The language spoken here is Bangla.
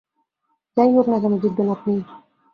যা-ই হোক না কেন, জিতবেন আপনিই।